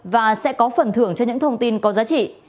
và sẽ có phần thưởng cho những thông tin có giá trị